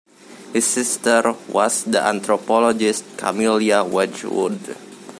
His sister was the anthropologist Camilla Wedgwood.